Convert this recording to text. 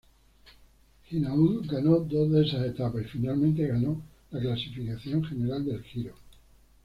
Hinault ganó dos de esas etapas y finalmente ganó la clasificación general del Giro.